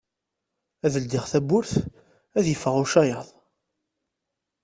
Ad ldiɣ tawwurt ad yeffeɣ ucayaḍ.